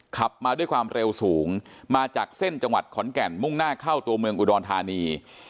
ขับมาด้วยความเร็วสูงมาจากเส้นจังหวัดขอนแก่นมุ่งหน้าเข้าตัวเมืองอุดรธานี